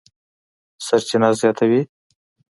سرچینه زیاتوي،